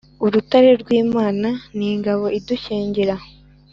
urutare rw'imana n' ingabo idukingira.